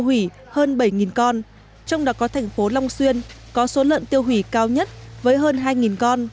hủy hơn bảy con trong đó có thành phố long xuyên có số lợn tiêu hủy cao nhất với hơn hai con